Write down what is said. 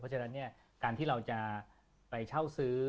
เพราะฉะนั้นการที่เราจะไปเช่าซื้อ